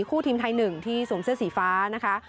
คู่ทีมไทยหนึ่งที่สวมเสื้อสีฟ้านะคะ